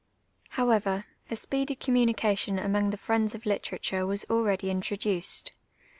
However, a speedy communication amonfjthc friends of lite rature was already introduced.